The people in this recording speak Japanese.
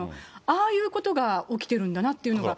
ああいうことが起きてるんだなっていうのが。